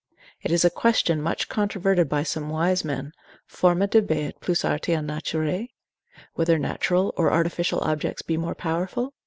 It is a question much controverted by some wise men, forma debeat plus arti an naturae? Whether natural or artificial objects be more powerful?